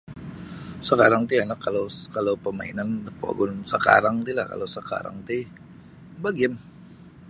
Sakarang ti anak kalau kalau pamainan da pogun sekarang ti lah kalau sakarang ti bagiim.